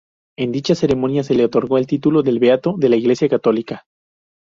En dicha ceremonia se le otorgó el título de beato de la Iglesia Católica.